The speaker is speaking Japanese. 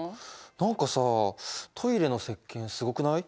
何かさトイレのせっけんすごくない？